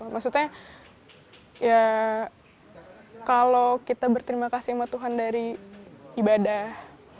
maksudnya ya kalau kita berterima kasih sama tuhan dari ibadah